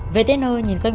về tên ơi nhìn coi nhìn